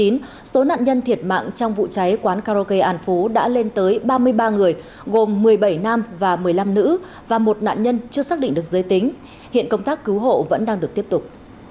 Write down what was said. số nạn nhân thiệt mạng trong vụ cháy quán karaoke an phú đã lên tới ba mươi ba người gồm một mươi bảy nam và một mươi năm nữ và một nạn nhân chưa xác định được giới tính hiện công tác cứu hộ vẫn đang được tiếp tục